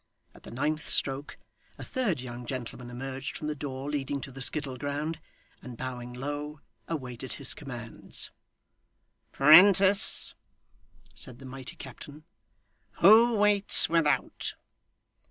At the ninth stroke, a third young gentleman emerged from the door leading to the skittle ground, and bowing low, awaited his commands. 'Prentice!' said the mighty captain, 'who waits without?